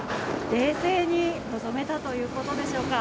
冷静に臨めたということでしょうか？